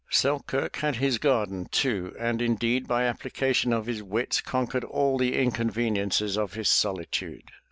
Selkirk had his garden, too, and indeed by application of his wits conquered all the inconveniences of his solitude.